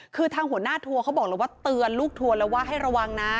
คือทางหัวหน้าทัวร์เขาบอกแล้วว่าเตือนลูกทัวร์แล้วว่าให้ระวังนะ